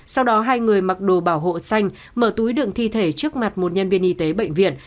sau đó hai người mặc đồ bảo hộ xanh mở túi đường thi thể trước mặt một nhân viên y tế bệnh viện